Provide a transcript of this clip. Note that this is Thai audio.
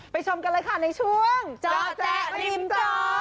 ชมกันเลยค่ะในช่วงจอแจ๊ริมจอ